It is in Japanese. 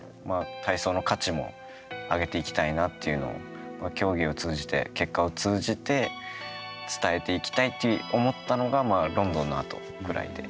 体操の価値も上げていきたいなっていうのは競技を通じて、結果を通じて伝えていきたいって思ったのがロンドンの後ぐらいで。